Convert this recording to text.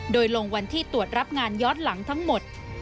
โดยลงวันที่ตรวจรับงานย้อนหลังทั้งหมด